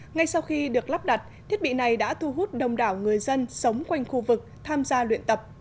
ngay sau khi được lắp đặt thiết bị này đã thu hút đông đảo người dân sống quanh khu vực tham gia luyện tập